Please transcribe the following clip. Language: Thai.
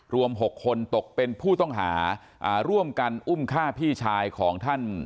รวม๖คนตกเป็นผู้ต้องหาร่วมกันอุ้มฆ่าพี่ชายของท่าน